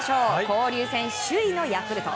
交流戦首位のヤクルト。